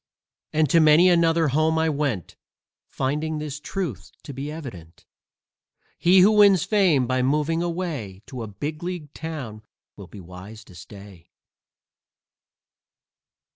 And to many another home I went, Finding this truth to be evident: He who wins fame by moving away To a big league town will be wise to stay!